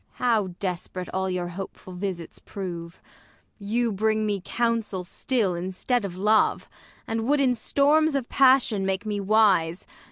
Ang. How desp'rate all your hopeful visits prove ! You bring me counsel still instead of love ; And would in storms of passion make me wise.